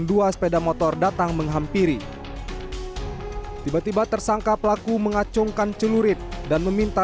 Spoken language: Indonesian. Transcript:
dua sepeda motor datang menghampiri tiba tiba tersangka pelaku mengacungkan celurit dan meminta